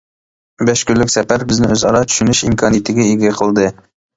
بەش كۈنلۈك سەپەر بىزنى ئۆزئارا چۈشىنىش ئىمكانىيىتىگە ئىگە قىلدى.